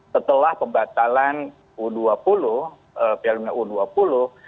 setelah pembatalan u dua puluh piala dunia u dua puluh